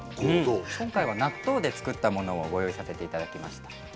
今回は納豆で作ったものをご用意させていただきました。